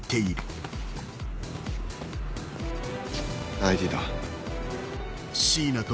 ＩＤだ。